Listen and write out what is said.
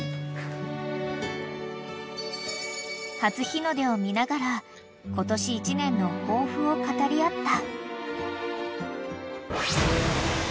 ［初日の出を見ながら今年１年の抱負を語り合った］